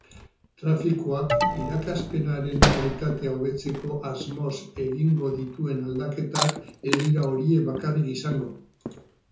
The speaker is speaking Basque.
Trafikoak irakaspenaren kalitatea hobetzeko asmoz egingo dituen aldaketak ez dira horiek bakarrik izango.